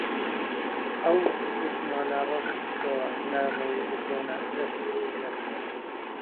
ئەو ڕەسمانە ڕەش بکەوە، نامەوێ بکەونە دەستی کەس.